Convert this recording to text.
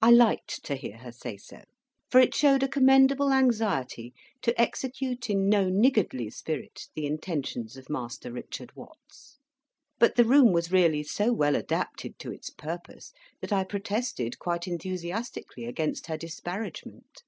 I liked to hear her say so; for it showed a commendable anxiety to execute in no niggardly spirit the intentions of Master Richard Watts. But the room was really so well adapted to its purpose that I protested, quite enthusiastically, against her disparagement.